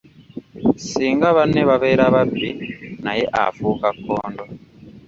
Singa banne babeera babbi, naye afuuka kkondo.